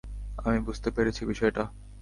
আমি বুঝতে পেরেছি বিষয়টা।